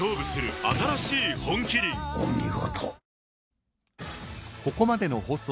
お見事。